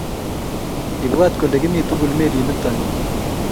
Ibwat kole kimi tugul melit nito ni